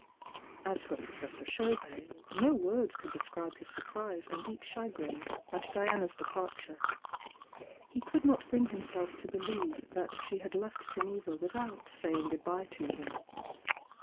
As for Professor Chauvet, no words could describe his surprise and deep chagrin at Diana's departure; he could not bring himself to believe that ^e had left Geneva without saying good bye to him.